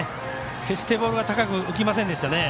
決してボールが高く浮きませんでしたね。